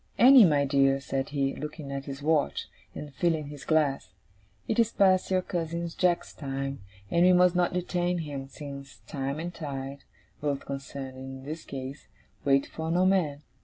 'Annie, my dear,' said he, looking at his watch, and filling his glass, 'it is past your cousin Jack's time, and we must not detain him, since time and tide both concerned in this case wait for no man.